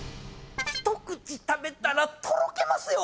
一口食べたらとろけますよ！